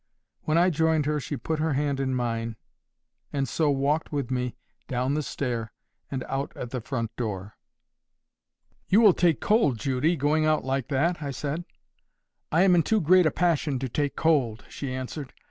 When I joined her she put her hand in mine, and so walked with me down the stair and out at the front door. "You will take cold, Judy, going out like that," I said. "I am in too great a passion to take cold," she answered.